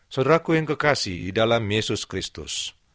saudaraku yang kekasih di dalam yesus kristus